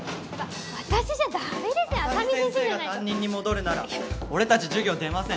私じゃダメ浅見先生が担任に戻るなら俺達授業出ません